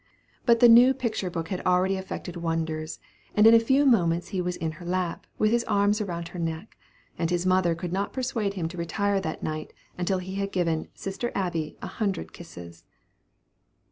But the new picture book had already effected wonders, and in a few moments he was in her lap, with his arms around her neck, and his mother could not persuade him to retire that night until he had given "sister Abby" a hundred kisses.